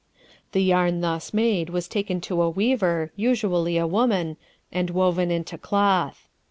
The yarn thus made was taken to a weaver (usually a woman) and woven into cloth.